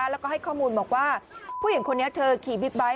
แล้วก็ให้ข้อมูลบอกว่าผู้หญิงคนนี้เธอขี่บิ๊กไบท์